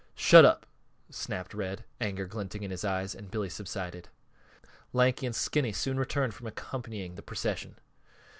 "Shut up!" snapped Red, anger glinting in his eyes, and Billy subsided. Lanky and Skinny soon returned from accompanying the procession.